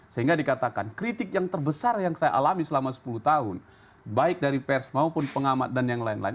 sehingga dikatakan kritik yang terbesar yang saya alami selama sepuluh tahun baik dari pers maupun pengamat dan yang lain lain